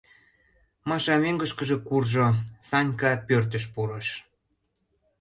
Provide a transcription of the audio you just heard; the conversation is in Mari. Маша мӧҥгышкыжӧ куржо, Санька пӧртыш пурыш.